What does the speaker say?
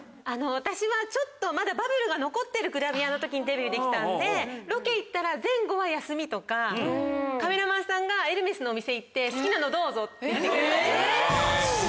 私はちょっとまだバブルが残ってるグラビアの時にデビューできたんでロケ行ったら前後は休みとかカメラマンさんがエルメスのお店行って。って言ってくれたりとか。